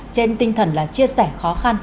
trên tinh thần là chia sẻ khó khăn